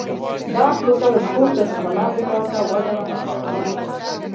دا پروسه له پورته څخه لاندې خوا ته وده رامنځته کړي